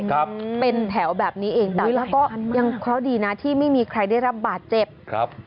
ครับอื้อแล้วก็ยังเขาดีนะที่ไม่มีใครได้รับบาดเจ็บ